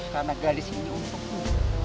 karena gadis ini untukmu